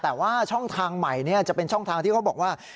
แต่ว่าช่องทางใหม่จะเป็นช่องทางที่เขาบอกว่า